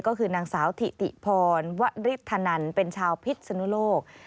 ก็คือนางสาวถิติพรวริธนันเป็นชาวพิษนุโลก